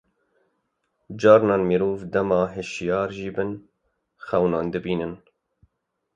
Carinan mirov dema hişyar jî bin xewnan dibînin.